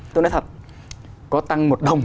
tôi nói thật có tăng một đồng